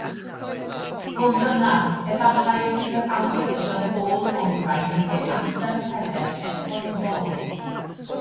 Fodd bynnag, efallai y bydd yr algorithm ôl-olrhain yn rhoi amser rhedeg esbonyddol.